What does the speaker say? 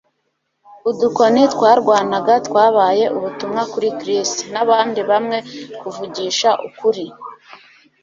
udukoni twarwanaga twabaye ubutumwa kuri Chris (nabandi bamwe kuvugisha ukuri).